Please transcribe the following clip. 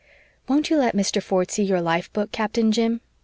"Won't you let Mr. Ford see your life book, Captain Jim?"